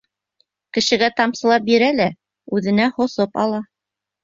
Кешегә тамсылап бирә лә, үҙенә һоҫоп ала.